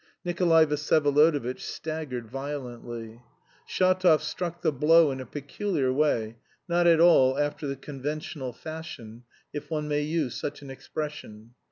Nikolay Vsyevolodovitch staggered violently. Shatov struck the blow in a peculiar way, not at all after the conventional fashion (if one may use such an expression).